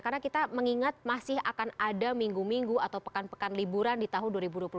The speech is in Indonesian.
karena kita mengingat masih akan ada minggu minggu atau pekan pekan liburan di tahun dua ribu dua puluh satu